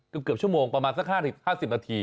เกือบชั่วโมงประมาณสัก๕๐นาที